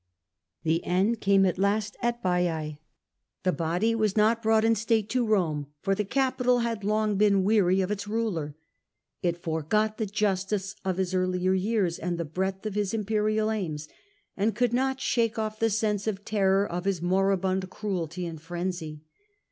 The end came at last at Baiae. The body was not brought in state to Rome, for the capital had long been His death weary of its ruler. It forgot the justice of at Baiai, earlier years and the breadth of his im perial aims, and could not shake off the sense of terror of his moribund cruelty and frenzy.